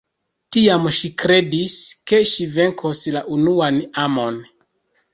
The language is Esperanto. Tiam ŝi kredis, ke ŝi venkos la unuan amon.